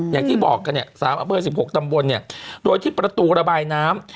อย่างที่บอกกันเนี่ย๓อำเภอ๑๖ตำบลเนี่ยโดยที่ประตูระบายน้ำ